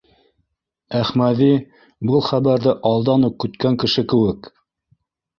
Әхмәҙи, был хәбәрҙе алдан уҡ көткән кеше кеүек: